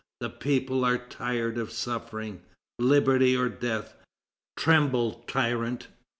"The people are tired of suffering!" "Liberty or Death!" "Tremble, tyrant!"